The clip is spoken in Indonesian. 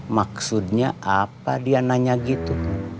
maksudnya apa dia nanya gitu